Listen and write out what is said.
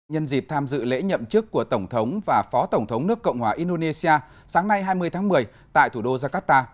nhân dịp tham dự lễ nhậm chức của tổng thống và phó tổng thống nước cộng hòa indonesia sáng nay hai mươi tháng một mươi tại thủ đô jakarta